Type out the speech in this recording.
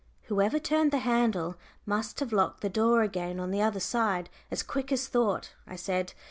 "Whoever turned the handle must have locked the door again on the other side as quick as thought," I said.